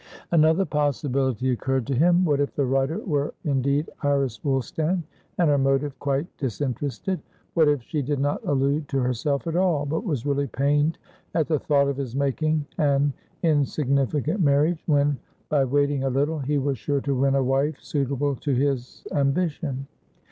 Another possibility occurred to him. What if the writer were indeed Iris Woolstan, and her motive quite disinterested? What if she did not allude to herself at all, but was really pained at the thought of his making an insignificant marriage, when, by waiting a little, he was sure to win a wife suitable to his ambition?